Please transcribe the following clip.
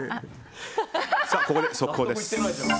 ここで速報です。